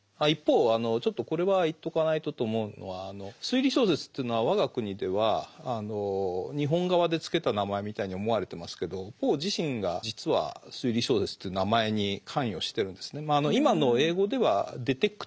一方ちょっとこれは言っとかないとと思うのは推理小説というのは我が国では日本側で付けた名前みたいに思われてますけどポー自身が実は推理小説という名前に関与してるんですね。